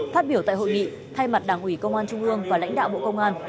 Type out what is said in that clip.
phát biểu tại hội nghị thay mặt đảng ủy công an trung ương và lãnh đạo bộ công an